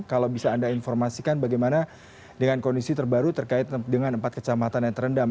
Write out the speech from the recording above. kalau bisa anda informasikan bagaimana dengan kondisi terbaru terkait dengan empat kecamatan yang terendam